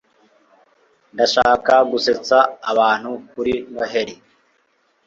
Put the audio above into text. ndashaka gusetsa abantu kuri noheli. - julie garwood